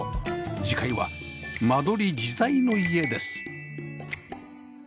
次回は間取り自在の家です